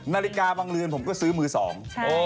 นาฬิกาบางเรือนผมก็ซื้อมือสอง